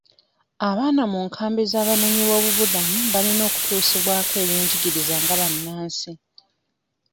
Abaana mu nkambi z'abanoonyi b'obubuddamu balina okutuusibwako eby'enjigiriza nga bannansi.